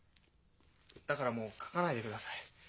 だからもう書かないでください。